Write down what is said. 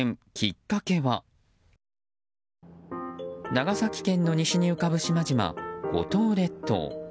長崎県の西に浮かぶ島々五島列島。